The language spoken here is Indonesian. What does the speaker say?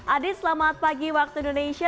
adi selamat pagi waktu indonesia